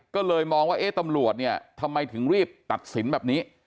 ก็เลยมองว่าเอ๊ะตำรวจเนี่ยทำไมถึงรีบตัดสินแบบนี้